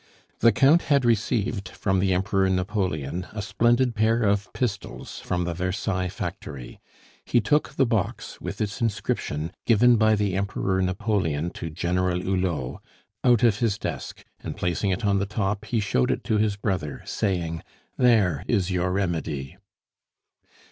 The Count had received from the Emperor Napoleon a splendid pair of pistols from the Versailles factory; he took the box, with its inscription. "Given by the Emperor Napoleon to General Hulot," out of his desk, and placing it on the top, he showed it to his brother, saying, "There is your remedy."